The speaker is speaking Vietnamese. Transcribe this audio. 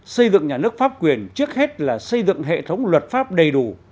xây dựng nhà nước pháp quyền trước hết là xây dựng hệ thống luật pháp đầy đủ